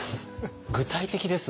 具体的ですね。